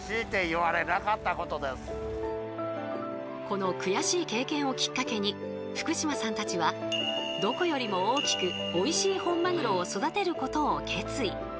この悔しい経験をきっかけに福島さんたちはどこよりも大きくおいしい本マグロを育てることを決意。